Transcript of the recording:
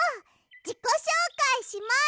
じこしょうかいします！